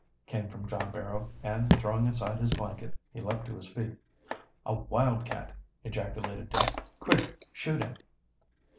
came from John Barrow, and throwing aside his blanket, he leaped to his feet. "A wildcat!" ejaculated Dick. "Quick! Shoot him!"